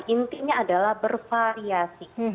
intinya adalah bervariasi